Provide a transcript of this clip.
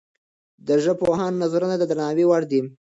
د ژبپوهانو نظرونه د درناوي وړ دي.